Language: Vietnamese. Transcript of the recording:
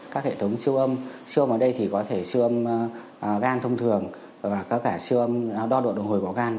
các hệ thống siêu âm siêu âm ở đây thì có thể siêu âm gan thông thường và có cả siêu âm đo độ đồng hồi của gan